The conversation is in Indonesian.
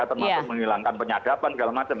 termasuk menghilangkan penyadapan segala macam